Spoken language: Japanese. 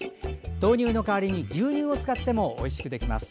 豆乳の代わりに牛乳を使ってもおいしくできます。